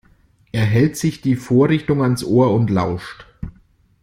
Er hält sich die Vorrichtung ans Ohr und lauscht.